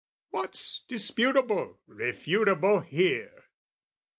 What's disputable, refutable here?